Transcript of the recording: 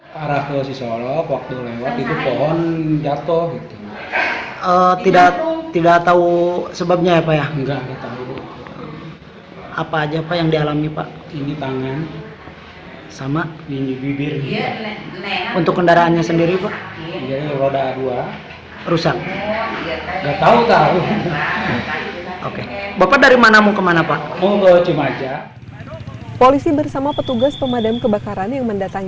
para korban adalah pemudik asal tangerang banten